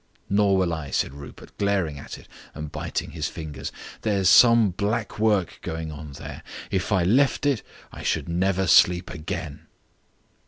"Nor will I," said Rupert, glaring at it and biting his fingers. "There's some black work going on there. If I left it I should never sleep again."